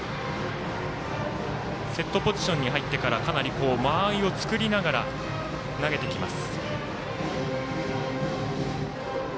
セットポジションに入ってからかなり間合いを作りながら投げてきます。